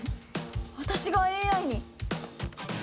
私がＡＩに？